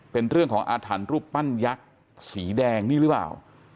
เป็นเรื่องของอาถรรพ์รูปปั้นยักษ์สีแดงนี่หรือเปล่า